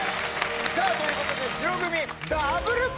さあということで白組。